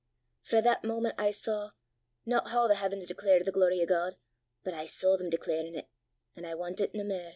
Frae that moment I saw no hoo the h'avens declare the glory o' God, but I saw them declarin' 't, an' I wantit nae mair.